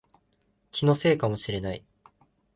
気のせいかもしれない